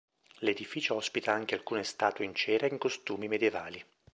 L'edificio ospita anche alcune statue in cera in costumi medievali.